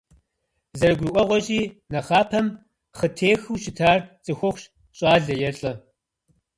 ЗэрыгурыӀуэгъуэщи, нэхъапэм хъытехыу щытар цӀыхухъущ, щӀалэ е лӀы.